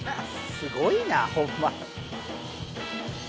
すごいなホンマ。